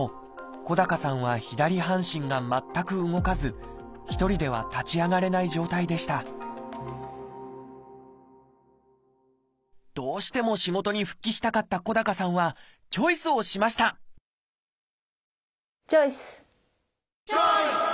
小高さんは左半身が全く動かず一人では立ち上がれない状態でしたどうしても仕事に復帰したかった小高さんはチョイスをしましたチョイス！